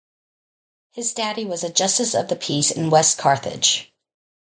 His daddy was a Justice of the Peace in West Carthage.